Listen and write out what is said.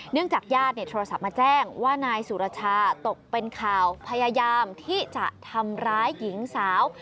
จากญาติโทรศัพท์มาแจ้งว่านายสุรชาตกเป็นข่าวพยายามที่จะทำร้ายหญิงสาว